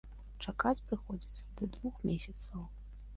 Чакаць прыходзіцца да двух месяцаў.